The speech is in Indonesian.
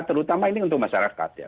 terutama ini untuk masyarakat ya